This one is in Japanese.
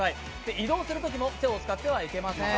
移動するときも手を使ってはいけません。